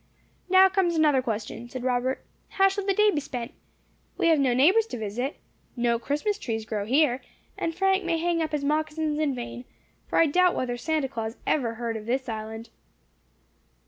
"Now comes another question," said Robert; "how shall the day be spent? We have no neighbours to visit. No Christmas trees grow here, and Frank may hang up his moccasins in vain, for I doubt whether Santa Claus ever heard of this island."